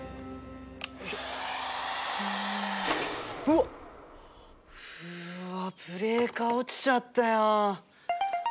うわっ！うわブレーカー落ちちゃったよ。